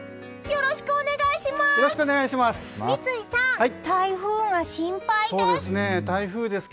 よろしくお願いします！